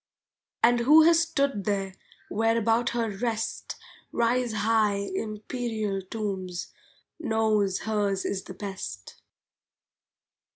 '" And who has stood there, where about her Rest Rise high Imperial tombs, knows hers is best.